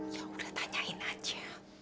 ya udah tanyain aja